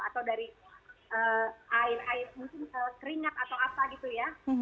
atau dari air air mungkin keringat atau apa gitu ya